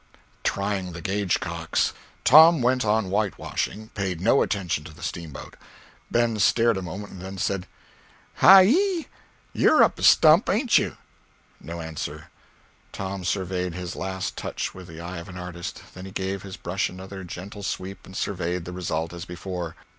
(trying the gauge cocks). Tom went on whitewashing—paid no attention to the steamboat. Ben stared a moment and then said: "Hi Yi! You're up a stump, ain't you!" No answer. Tom surveyed his last touch with the eye of an artist, then he gave his brush another gentle sweep and surveyed the result, as before.